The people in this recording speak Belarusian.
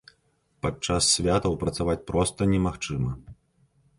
Падчас святаў працаваць проста немагчыма.